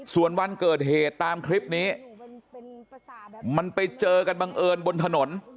ส่วนวันเกิดเหตุตามคลิปนี้มันไปเจอกันบังเอิญบนถนน